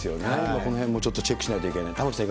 このへんもちょっとチェックしないといけない。